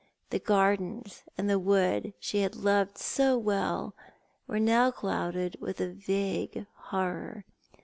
The gardens and the wood she had loved so well were now clouded with a yague horror.